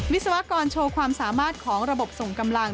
วิศวกรโชว์ความสามารถของระบบส่งกำลัง